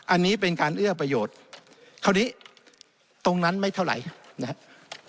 อันนี้เป็นการเอื้อประโยชน์คราวนี้ตรงนั้นไม่เท่าไหร่นะครับ